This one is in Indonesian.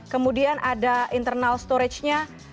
kemudian ada internal storage nya